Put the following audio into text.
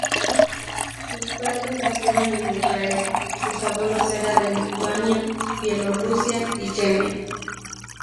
Sus padres nacieron en Israel, y sus abuelos era de Lituania, Bielorrusia y Yemen.